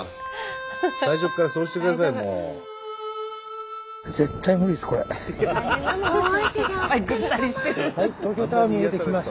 最初からそうしてください。大汗だ。